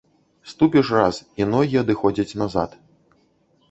Ступіш раз, і ногі адыходзяць назад.